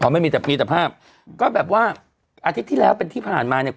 ไม่มีแต่มีแต่ภาพก็แบบว่าอาทิตย์ที่แล้วเป็นที่ผ่านมาเนี่ย